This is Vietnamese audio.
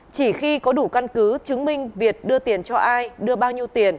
chỉ khi có đủ căn cứ chứng minh việt đưa tiền cho ai đưa bao nhiêu tiền